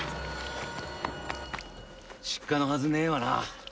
失火のはずねえわな。